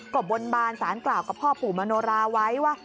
ก็บนบานสารกล่าวกับพ่อปู่มโนราไว้ว่า